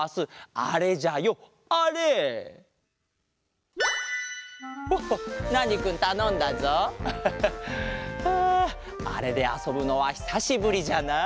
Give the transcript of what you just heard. ああれであそぶのはひさしぶりじゃなあ。